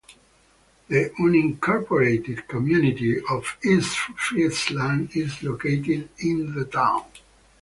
The unincorporated community of East Friesland is located in the town.